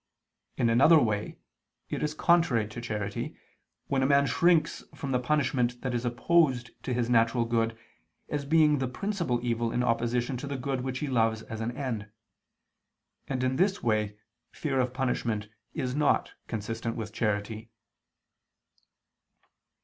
In another way, it is contrary to charity, when a man shrinks from the punishment that is opposed to his natural good, as being the principal evil in opposition to the good which he loves as an end; and in this way fear of punishment is not consistent with charity.